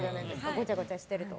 ごちゃごちゃしてると。